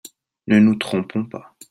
Ne nous trompons pas.